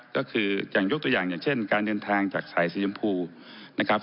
ก็คืออย่างยกตัวอย่างอย่างเช่นการเดินทางจากสายสีชมพูนะครับ